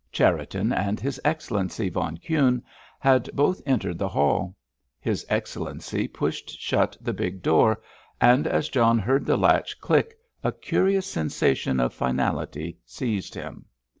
Cherriton and his Excellency von Kuhne had both entered the hall. His Excellency pushed shut the big door, and as John heard the latch click a curious sensation of finality seized him.